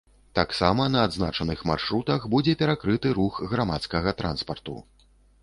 Таксама на адзначаных маршрутах будзе перакрыты рух грамадскага транспарту.